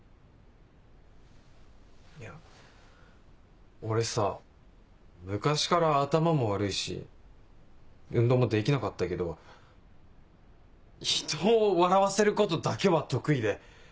いや俺さ昔から頭も悪いし運動もできなかったけどひとを笑わせることだけは得意で。